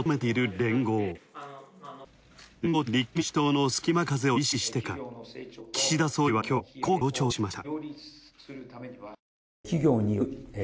連合と立憲民主党の隙間風を意識してか、岸田総理はきょうこう強調しました。